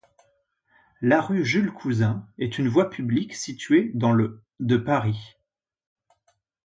La rue Jules-Cousin est une voie publique située dans le de Paris.